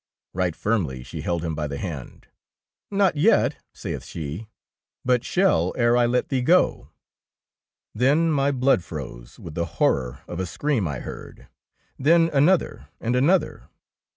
Eight firmly she held him by the hand. "Not yet/' saith she, "but shall ere I let thee go." Then my blood froze with the hor ror of a scream I heard, then another and another.